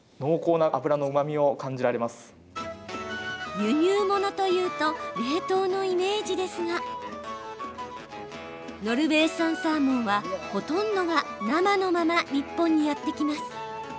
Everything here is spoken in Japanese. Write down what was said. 輸入ものというと冷凍のイメージですがノルウェー産サーモンはほとんどが生のまま日本にやって来ます。